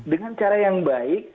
dengan cara yang baik